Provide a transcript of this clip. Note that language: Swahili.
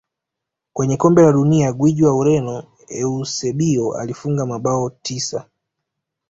Kwenye kombe la dunia gwiji wa ureno eusebio alifunga mabao tisa